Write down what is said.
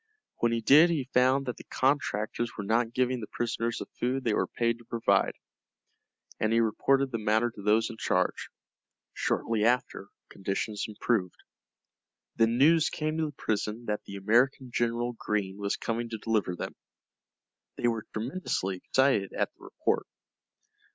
When he did he found that the contractors were not giving the prisoners the food they were paid to provide, and he reported the matter to those in charge. Shortly after conditions improved. Then news came to the prison that the American General Greene was coming to deliver them. They were tremendously excited at the report.